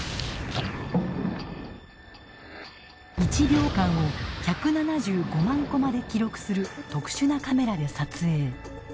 １秒間を１７５万コマで記録する特殊なカメラで撮影。